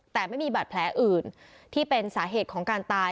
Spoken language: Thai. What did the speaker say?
แต่ไม่มีบาดแผลอื่นที่เป็นสาเหตุของการตาย